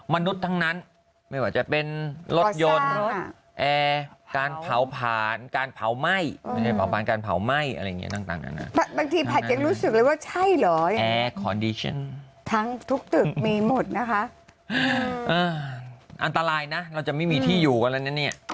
มนุษย์ทั้งนั้นไม่ว่าจะเป็นรถยนต์อัตราลายนะเราจะไม่มีที่อยู่กันแล้วเนี่ย